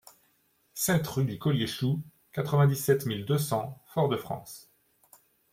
sept rue du Collier Chou, quatre-vingt-dix-sept mille deux cents Fort-de-France